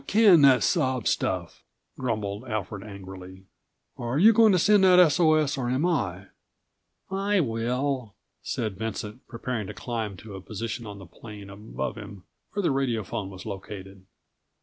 "Aw, can that sob stuff," grumbled Alfred angrily. "Are you going to send that S. O. S. or am I?" "I will," said Vincent, preparing to climb to a position on the plane above him where the radiophone was located.